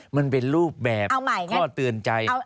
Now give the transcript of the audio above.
มันเป็นรูปแบบข้อเตือนใจ